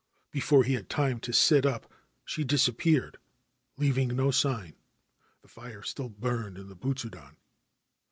Before he had time to sit up she disappeared, leaving no sign ; the fire still burned in the butsudan.